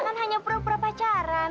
kita kan hanya pro pro pacaran